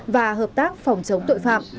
và hợp tác phòng chống tội phạm